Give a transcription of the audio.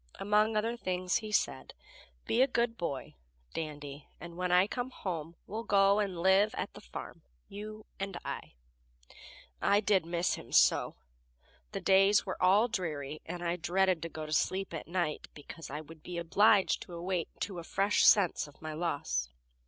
Among other things he said: "Be a good boy, Dandy, and when I come home we'll go and live at the farm you and I." I did miss him so! The days were all dreary, and I dreaded to go to sleep at night, because I would be obliged to awake to a fresh sense of my loss.